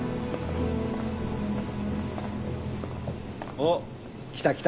おっ来た来た。